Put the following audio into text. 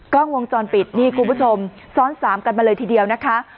กล้องวงจรปิดนี่คุณผู้ชมซ้อนสามกันมาเลยทีเดียวนะคะ